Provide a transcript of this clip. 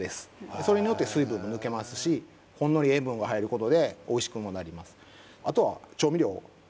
それによって水分も抜けますしほんのり塩分が入ることでおいしくもなります